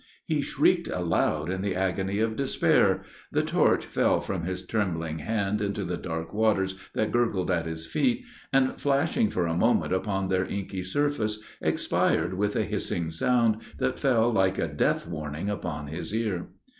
He shrieked aloud in the agony of despair the torch fell from his trembling hand into the dark waters that gurgled at his feet, and, flashing for a moment upon their inky surface, expired with a hissing sound, that fell like a death warning upon his ear.